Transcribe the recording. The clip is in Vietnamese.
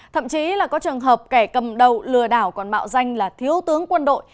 thậm chí là có trường hợp kẻ cầm đầu lừa đảo còn mạo danh là thiếu tướng quân đội